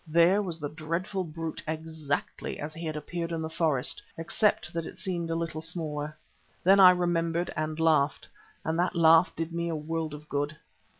There was the dreadful brute exactly as he had appeared in the forest, except that it seemed a little smaller. Then I remembered and laughed and that laugh did me a world of good.